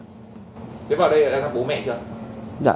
thế vào đây đã gặp bố mẹ chưa